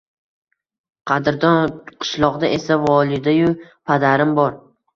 Qadrdon qishloqda esa volidayu-padarim bor.